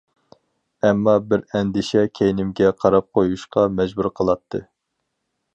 ئەمما بىر ئەندىشە كەينىمگە قاراپ قويۇشقا مەجبۇر قىلاتتى.